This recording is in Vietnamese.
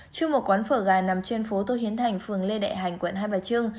trong một quán phở gà nằm trên phố tô hiến thành phường lê đại hành quận hai bà trưng